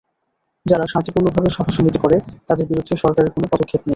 যারা শান্তিপূর্ণভাবে সভা সমিতি করে, তাদের বিরুদ্ধে সরকারের কোনো পদক্ষেপ নাই।